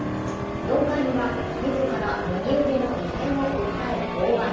４回には自ら右腕の異変を訴え降板。